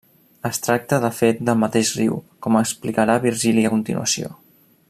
Es tracta de fet del mateix riu, com explicarà Virgili a continuació.